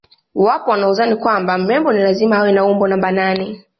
Wapo wanaodhani kwamba mrembo ni lazima uwe na umbo namba nane